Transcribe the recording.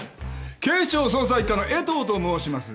警視庁捜査一課の江藤と申します。